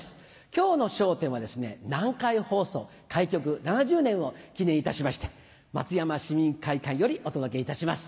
今日の『笑点』はですね南海放送開局７０年を記念いたしまして松山市民会館よりお届けいたします。